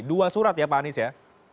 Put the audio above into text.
dua surat ya pak anies ya